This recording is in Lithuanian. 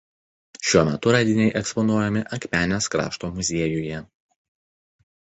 Šiuo metu radiniai eksponuojami Akmenės krašto muziejuje.